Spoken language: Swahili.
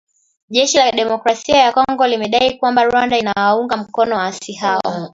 Jeshi la Demokrasia ya Kongo limedai kwamba Rwanda inawaunga mkono waasi hao